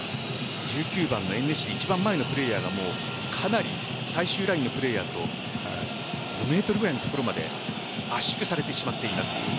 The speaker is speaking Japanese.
１９番のエンネシリ一番前のプレーヤーがかなり最終ラインのプレーヤーと５ｍくらいのところまで圧縮されてしまっています。